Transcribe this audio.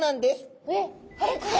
えっあれ？